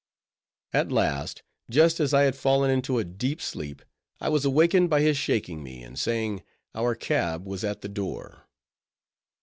At last, just as I had fallen into a deep sleep, I was wakened by his shaking me, and saying our cab was at the door.